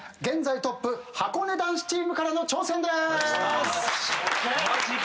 現在トップはこね男子チームからの挑戦です。